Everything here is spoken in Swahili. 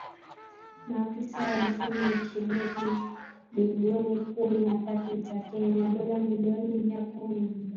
Maafisa walisema ni shilingi bilioni kumi na tatu za Kenya ,dola milioni mia kumi na mbili.